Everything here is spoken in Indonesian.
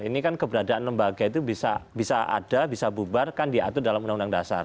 ini kan keberadaan lembaga itu bisa ada bisa bubar kan diatur dalam undang undang dasar